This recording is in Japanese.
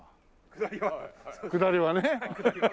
下りはね。